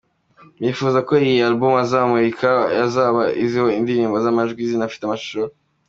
Bifuza ko iyi album bazamurika yazaba iriho indirimbo z’amajwi zinafite amashusho.